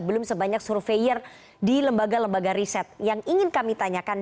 belum sebanyak surveyor di lembaga lembaga riset yang ingin kami tanyakan